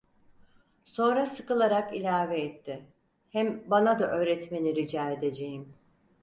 Sonra sıkılarak ilave etti: "Hem bana da öğretmeni rica edeceğim."